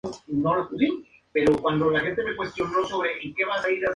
Por otra parte, la caballería otorgaba un gran poder militar.